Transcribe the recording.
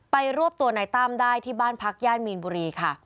รวบตัวนายตั้มได้ที่บ้านพักย่านมีนบุรีค่ะ